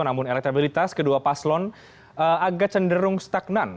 namun elektabilitas kedua paslon agak cenderung stagnan